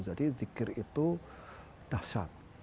jadi zikir itu dasar